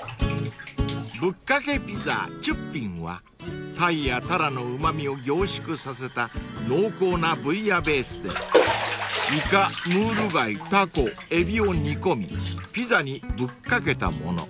［ぶっかけピザチュッピンはタイやタラのうま味を凝縮させた濃厚なブイヤベースでイカムール貝タコエビを煮込みピザにぶっかけたもの］